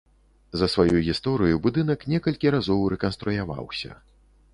За сваю гісторыю будынак некалькі разоў рэканструяваўся.